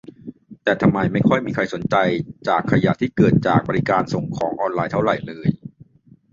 แต่ทำไมไม่ค่อยมีใครสนใจจากขยะที่เกิดจากบริการส่งของออนไลน์เท่าไหร่เลย